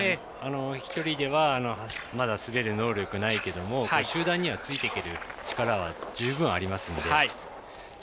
１人ではまだ滑る能力ないけども集団にはついていける力は十分、ありますので。